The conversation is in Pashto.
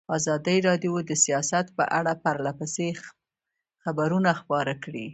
ازادي راډیو د سیاست په اړه پرله پسې خبرونه خپاره کړي.